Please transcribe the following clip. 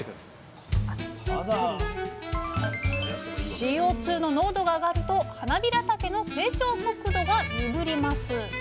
ＣＯの濃度が上がるとはなびらたけの成長速度が鈍ります。